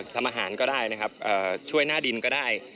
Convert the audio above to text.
ทำอาหารก็ได้นะครับช่วยหน้าดินก็ได้